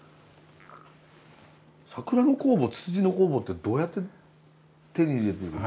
さくらの酵母つつじの酵母ってどうやって手に入れてできるんですか？